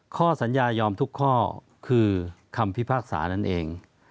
ข้อสัญญายอมทุกข้อคือคำพิพากษานั่นเอง